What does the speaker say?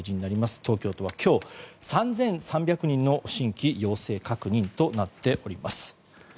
東京都は今日３３００人の新規陽性確認となっています。